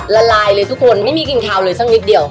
ละลายเลยทุกคนไม่มีกลิ่นคาวเลยสักนิดเดียว